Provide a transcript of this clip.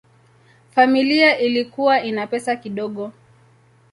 Familia ilikuwa ina pesa kidogo.